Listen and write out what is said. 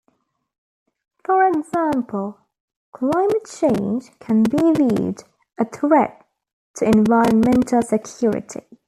For example, climate change can be viewed a threat to environmental security.